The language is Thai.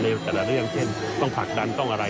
แต่ละเรื่องเช่นต้องผลักดันต้องอะไร